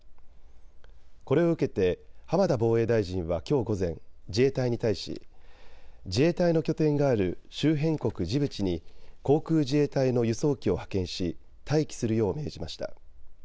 これを受けて浜田防衛大臣はきょう午前、自衛隊に対し自衛隊の拠点がある周辺国ジブチに航空自衛隊の輸送機を派遣し待機するよう命じました。